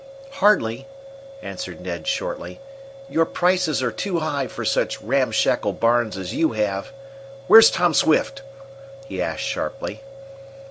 "Hardly," answered Ned shortly. "Your prices are too high for such ramshackle barns as you have. Where's Tom Swift?" he asked sharply.